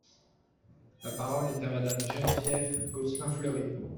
La parole est à Madame Geneviève Gosselin-Fleury.